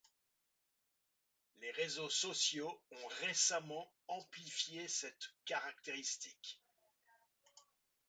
Les réseaux sociaux ont récemment amplifié cette caractéristique.